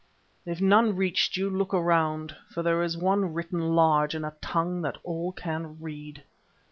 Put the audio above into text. If none reached you, look around, for there is one written large in a tongue that all can read."